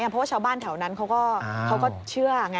เพราะว่าชาวบ้านแถวนั้นเขาก็เชื่อไง